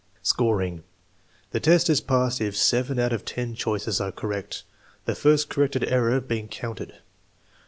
Scoring. The test is passed if seven out of ten choices are correct, the first corrected error being counted.